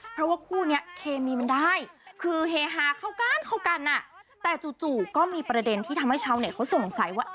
เพราะว่าคู่นี้เคมีมันได้คือเฮฮาเข้ากันเข้ากันอ่ะแต่จู่ก็มีประเด็นที่ทำให้ชาวเน็ตเขาสงสัยว่า